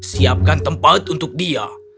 siapkan tempat untuk dia